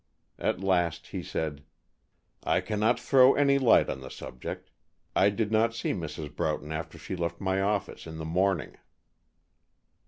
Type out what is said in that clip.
At last he said, "I cannot throw any light on the subject. I did not see Mrs. Broughton after she left my office in the morning."